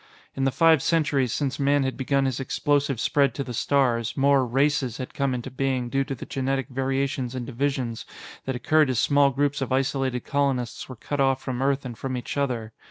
In the five centuries since Man had begun his explosive spread to the stars, more "races" had come into being due to the genetic variations and divisions that occurred as small groups of isolated colonists were cut off from Earth and from each other.